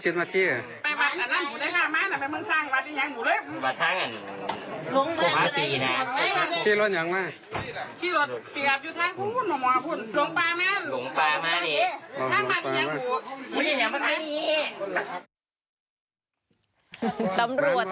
ไปจากไหนม้านบ้างไหมนี่